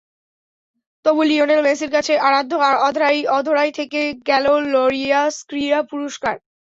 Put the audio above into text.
তবু লিওনেল মেসির কাছে আরাধ্য অধরাই থেকে গেল লরিয়াস ক্রীড়া পুরস্কার।